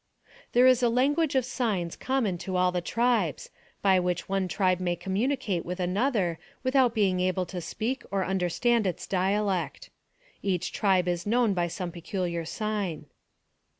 There is a language of signs common to all the tribes, AMONG THE SIOUX INDIANS. 187 by which one tribe may communicate with another without being able to speak or understand its dialect. Each tribe is known by some particular sign.